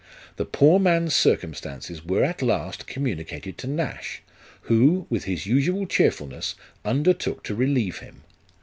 The poor man's circumstances were at last communicated to Nash ; who, with his usual cheer fulness, undertook to relieve him.